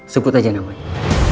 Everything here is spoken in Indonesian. sebut aja namanya